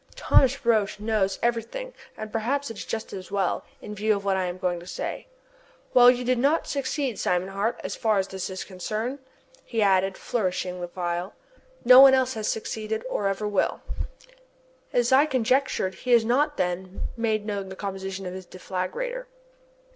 Thomas Roch knows everything, and perhaps it is just as well, in view of what I am going to say. "Well, you did not succeed, Simon Hart, and as far as this is concerned," he added, flourishing the phial, "no one else has succeeded, or ever will succeed." As I conjectured, he has not, then, made known the composition of his deflagrator.